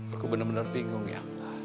aku bener bener bingung ya